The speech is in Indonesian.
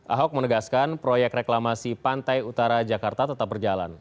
ahok menegaskan proyek reklamasi pantai utara jakarta tetap berjalan